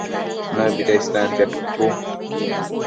¿Nëbida istantiad cucu?